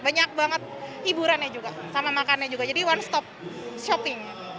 banyak banget hiburannya juga sama makannya juga jadi one stop shopping